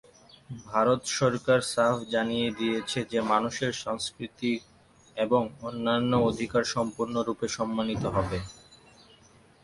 ভারত সরকার সাফ জানিয়ে দিয়েছে যে মানুষের সাংস্কৃতিক এবং অন্যান্য অধিকার সম্পূর্ণরূপে সম্মানিত হবে।